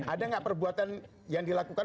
ada nggak perbuatan yang dilakukan